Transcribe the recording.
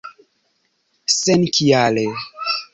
senkiale